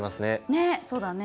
ねえそうだね。